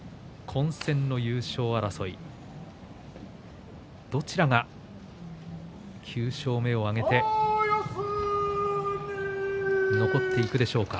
混戦の優勝争いどちらが９勝目を挙げて残っていくでしょうか。